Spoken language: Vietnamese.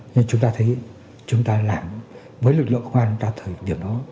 nhưng chúng ta thấy chúng ta làm với lực lượng hoàn cả thời điểm đó